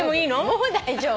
もう大丈夫。